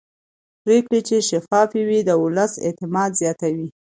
پرېکړې چې شفافې وي د ولس اعتماد زیاتوي